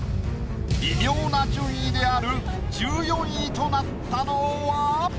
微妙な順位である１４位となったのは？